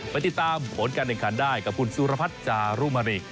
ไปติดตามผลการแข่งขันได้กับคุณสุรพัฒน์จารุมรี